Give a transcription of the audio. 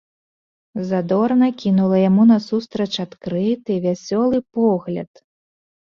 Задорна кінула яму насустрач адкрыты вясёлы погляд.